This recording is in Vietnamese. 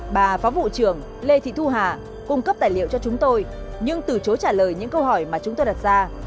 bà phó vụ trưởng lê thị thu hà cung cấp tài liệu cho chúng tôi nhưng từ chối trả lời những câu hỏi mà chúng tôi đặt ra